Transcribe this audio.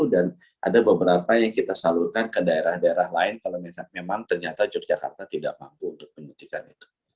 dan ada beberapa yang kita salurkan ke daerah daerah lain kalau memang ternyata yogyakarta tidak mampu untuk menyuntikan itu